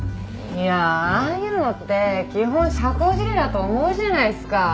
いやああいうのって基本社交辞令だと思うじゃないですか！